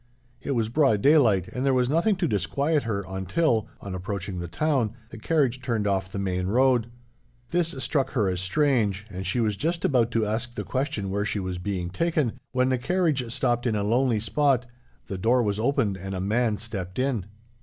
It was broad daylight, and there was nothing to disquiet her until, on approaching the town, the carriage turned off the main road. This struck her as strange, and she was just about to ask the question where she was being taken, when the carriage stopped in a lonely spot, the door was opened, and a man stepped in.